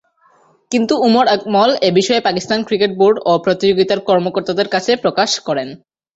কিন্তু, উমর আকমল এ বিষয়ে পাকিস্তান ক্রিকেট বোর্ড ও প্রতিযোগিতার কর্মকর্তাদের কাছে প্রকাশ করেন।